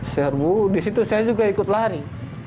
serbu disitu saya juga ikut lari